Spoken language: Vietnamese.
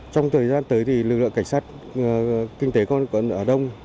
trong thời gian tới thì lực lượng cảnh sát kinh tế con quận hà đông